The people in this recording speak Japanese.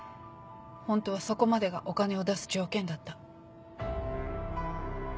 ホントはそこまでがお金を出す条件だった。